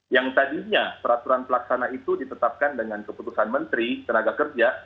yang tadinya peraturan pelaksana itu ditetapkan dengan keputusan menteri tenaga kerja